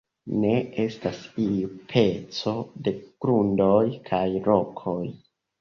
Ne estas iu peco de grundoj kaj rokoj.